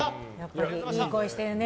いい声してるね。